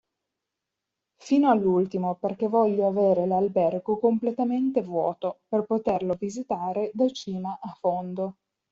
Fino all'ultimo, perché voglio avere l'albergo completamente vuoto, per poterlo visitare da cima a fondo.